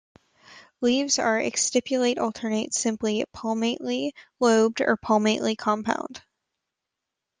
Leaves are exstipulate alternate simple palmately lobed or palmately compound.